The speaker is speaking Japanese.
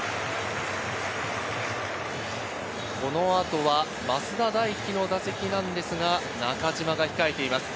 この後は増田大輝の打席なんですが、中島が控えています。